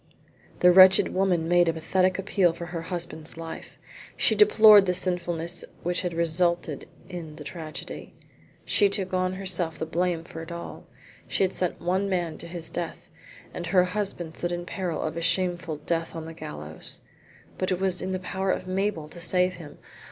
The wretched woman made a pathetic appeal for her husband's life. She deplored the sinfulness which had resulted in the tragedy. She took on herself the blame for it all. She had sent one man to his death, and her husband stood in peril of a shameful death on the gallows. But it was in the power of Mabel to save him.